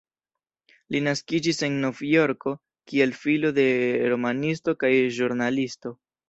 Li naskiĝis en Novjorko, kiel filo de romanisto kaj ĵurnalisto.